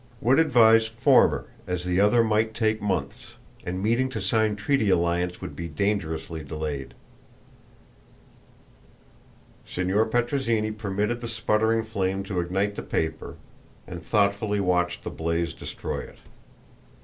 Would advise former, as the other might take months, and meeting to sign treaty alliance would be dangerously delayed." Signor Petrozinni permitted the sputtering flame to ignite the paper, and thoughtfully watched the blaze destroy it.